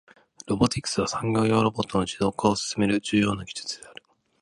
ロボティクスは、産業用ロボットの自動化を進める重要な技術である。